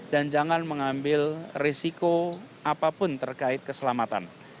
dan jangan mengambil risiko apapun terkait keselamatan